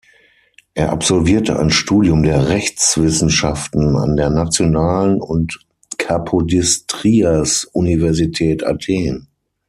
Er absolvierte ein Studium der Rechtswissenschaften an der Nationalen und Kapodistrias-Universität Athen.